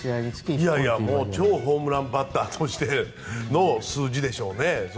いやいや超ホームランバッターとしての数字でしょうね。